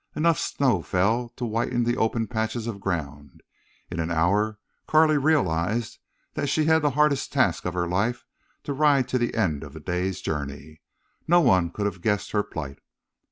Enough snow fell to whiten the open patches of ground. In an hour Carley realized that she had the hardest task of her life to ride to the end of the day's journey. No one could have guessed her plight.